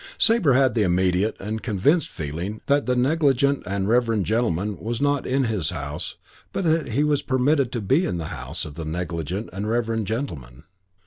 Sabre had the immediate and convinced feeling that the negligent and reverend gentleman was not in his house but that he was permitted to be in the house of the negligent and reverend gentleman.